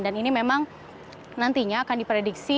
dan ini memang nantinya akan diprediksi